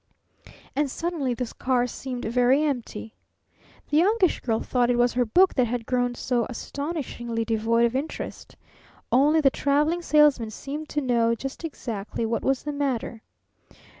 And suddenly the car seemed very empty. The Youngish Girl thought it was her book that had grown so astonishingly devoid of interest. Only the Traveling Salesman seemed to know just exactly what was the matter.